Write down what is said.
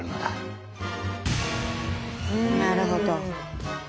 なるほど。